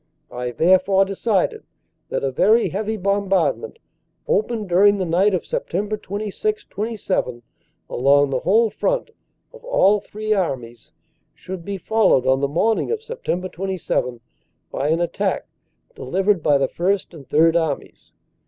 I therefore decided that a very heavy bombardment, opened during the night of Sept. 26 27 along the whole front of all three Armies, should be followed on the morning of Sept 27 by an attack delivered by the First and Third Armies.